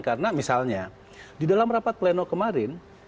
karena misalnya di dalam rapat pleno kemarin